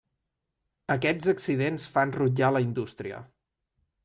Aquests accidents fan rutllar la indústria.